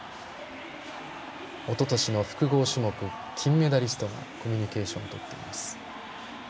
おととしの複合種目金メダリストがコミュニケーションをとっています。